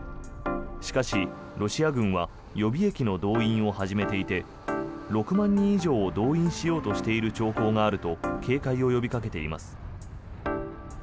しかし、ロシア軍は予備役の動員を始めていて６万人以上を動員しようとしているという兆候があると警戒を呼びかけています。